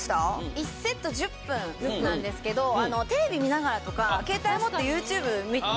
１セット１０分なんですけどテレビ見ながらとかケータイ持ってＹｏｕＴｕｂｅ見たり。